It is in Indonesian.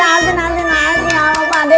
agak asin asin ya allah pak de